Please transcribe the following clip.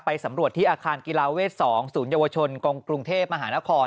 สำรวจที่อาคารกีฬาเวท๒ศูนยวชนกงกรุงเทพมหานคร